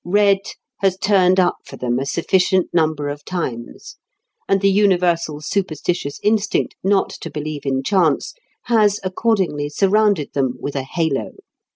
Red has turned up for them a sufficient number of times, and the universal superstitious instinct not to believe in chance has accordingly surrounded them with a halo.